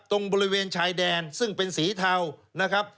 ตรงบริเวณชายแดนซึ่งเป็นสีเทานะครับ